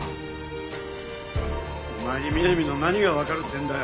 お前に美波の何がわかるってんだよ。